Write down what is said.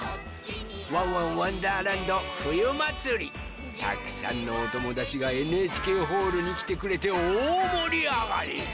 「ワンワンわんだーらんどふゆまつり」たくさんのおともだちがＮＨＫホールにきてくれておおもりあがり！